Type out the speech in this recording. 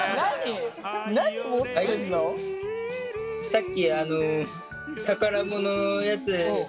さっき宝物のやつ。